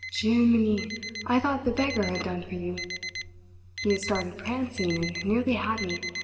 "'Jeeminy! I thought the beggar had done for you. He has started prancing and nearly had me.